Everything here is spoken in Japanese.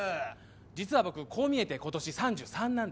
実は僕こう見えて今年３３なんですね。